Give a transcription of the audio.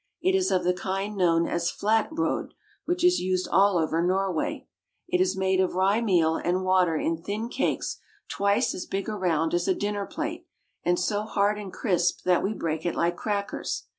It is of the kind known as "flat brod," which is used all over Nor way. It is made of rye meal and water in thin cakes twice as big around as a dinner plate, and so hard and crisp that we break it like crackers.